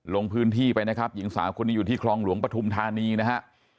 ลงพื้นที่ไปนะครับหญิงสาวคนนี้อยู่ที่คลองหลวงปฐุมธานีนะฮะ